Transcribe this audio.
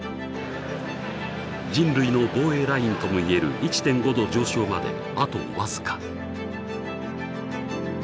人類の防衛ラインともいえる１．５℃上昇まであと僅か。